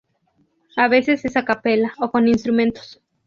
A veces es a capella, o con instrumentos.